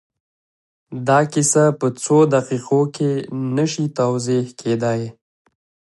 دا کيسه په څو دقيقو کې نه شي توضيح کېدای.